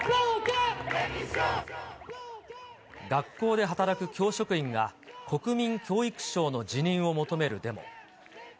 学校で働く教職員が、国民教育相の辞任を求めるデモ。